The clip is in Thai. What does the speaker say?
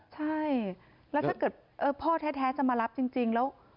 ใช่แล้วถ้าเกิดพ่อแท้จะมารับจริงแล้ว